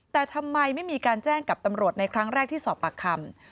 แต่ทำไมไม่มีการแจ้งกับตำรวจในครั้งแรกที่สอบปากคำ